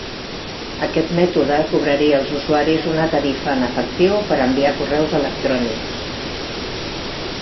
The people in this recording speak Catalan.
Aquest mètode cobraria als usuaris una tarifa en efectiu per enviar correus electrònics.